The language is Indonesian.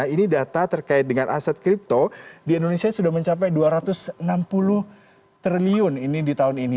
ini data terkait dengan aset kripto di indonesia sudah mencapai dua ratus enam puluh triliun ini di tahun ini